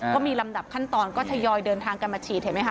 ก็มีลำดับขั้นตอนก็ทยอยเดินทางกันมาฉีดเห็นไหมค